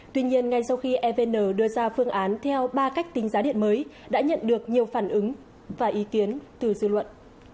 tuy nhiên ngay sau khi evn đưa ra phương án theo ba cách tính giá điện mới đã nhận được nhiều phản ứng và ý kiến từ dư luận